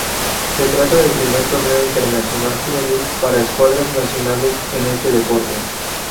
Se trata del primer torneo internacional juvenil para escuadras nacionales en este deporte.